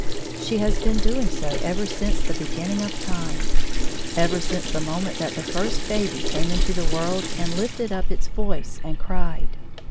She has been doing so ever since the beginning of time ; ever since the moment that the first baby came into the world and lifted up its voice and cried.